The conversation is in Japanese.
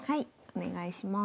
お願いします。